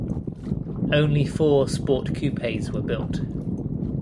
Only four Sport Coupes were built.